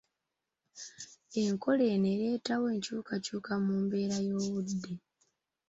Enkola eno ereetawo enkyukakyuka mu mbeera y'obudde.